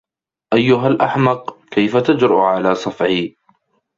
أيّها الأحمق! كيف تجرؤ على صفعي؟